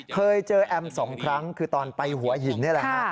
เคยเจอแอมสองครั้งคือตอนไปหัวหินนี่แหละฮะ